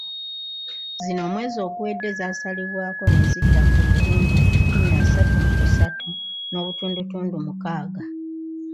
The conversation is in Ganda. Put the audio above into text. Zino omwezi oguwedde zasalibwako ne zidda ku buwumbi kikumi asatu mu busatu n'obutundutundu mukaaga.